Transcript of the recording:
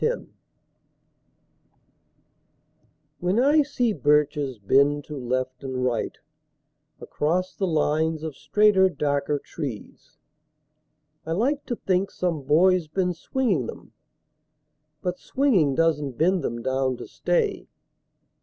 BIRCHES When I see birches bend to left and right Across the lines of straighter darker trees, I like to think some boy's been swinging them. But swinging doesn't bend them down to stay.